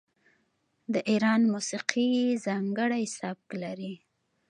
د ایران موسیقي ځانګړی سبک لري.